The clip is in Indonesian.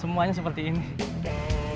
semuanya seperti ini